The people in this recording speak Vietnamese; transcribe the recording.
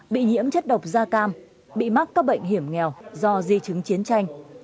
bị nhiễm chất độc da cam bị mắc các bệnh hiểm nghèo do di chứng chiến tranh